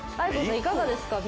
いかがですか？